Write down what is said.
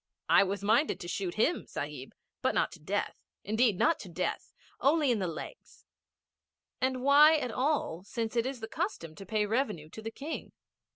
I was minded to shoot him, Sahib. But not to death. Indeed not to death. Only in the legs.' 'And why at all, since it is the custom to pay revenue to the King?